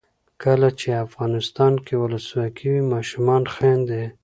کله چې افغانستان کې ولسواکي وي ماشومان خاندي.